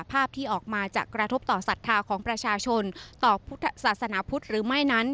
ภาพที่ออกมาจะกระทบต่อศรัทธาของประชาชนต่อพุทธศาสนาพุทธหรือไม่นั้น